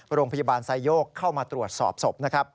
โรงพยาบาลไซโยกเข้ามาตรวจสอบศพ